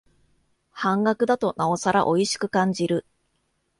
半額だとなおさらおいしく感じる